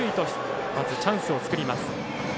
まずチャンスを作ります。